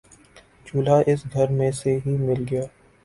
چولہا اس گھر میں سے ہی مل گیا